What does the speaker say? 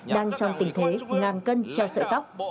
đang trong tình thế ngàn cân treo sợi tóc